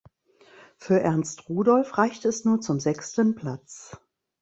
Für Ernst Rudolph reichte es nur zum sechsten Platz.